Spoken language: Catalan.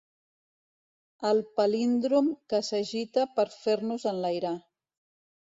El palíndrom que s'agita per fer-nos enlairar.